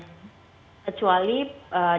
dengan intensitas yang berbeda